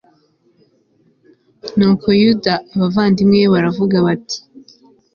nuko yuda n'abavandimwe be baravuga bati